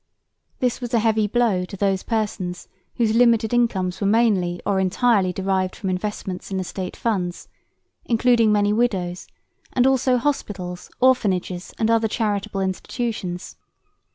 This was a heavy blow to those persons whose limited incomes were mainly or entirely derived from investments in the State Funds including many widows, and also hospitals, orphanages and other charitable institutions.